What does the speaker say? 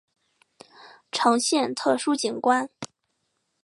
呈现特殊景观